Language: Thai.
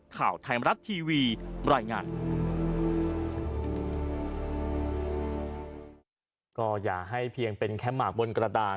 ข่าวไทยมรัฐทีวีรายงาน